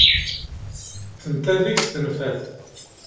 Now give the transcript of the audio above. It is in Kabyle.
Tenta deg-s tenfa-t.